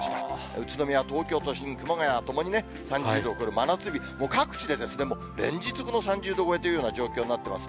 宇都宮、東京都心、熊谷ともにね、３０度を超える真夏日、各地でもう連日この３０度超えというような状況になっています。